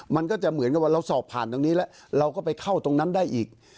มันก็จะเหมือนกับว่าเราสอบผ่านตรงนี้แล้วเราก็ไปเข้าตรงนั้นได้อีก